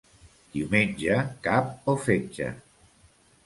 Diumenge, cap o fetge.